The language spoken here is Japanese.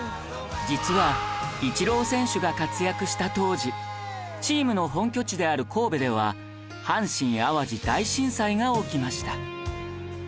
実はイチロー選手が活躍した当時チームの本拠地である神戸では阪神・淡路大震災が起きました